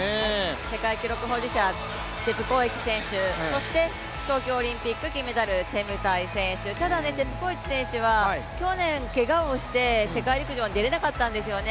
世界記録保持者、チェプコエチ選手、そして東京オリンピック金メダル、チェムタイ選手ただ、チェプコエチ選手は去年けがをして世界陸上に出られなかったんですよね。